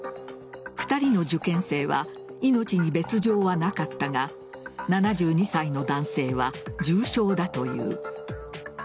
２人の受験生は命に別条はなかったが７２歳の男性は重傷だという。